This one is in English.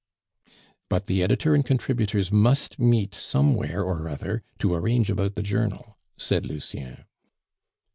"But the editor and contributors must meet somewhere or other to arrange about the journal," said Lucien.